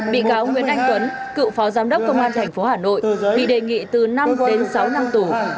bị cáo nguyễn anh tuấn cựu phó giám đốc công an tp hà nội bị đề nghị từ năm đến sáu năm tù